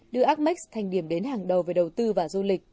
đưa agmax thành điểm đến hàng đầu về đầu tư và du lịch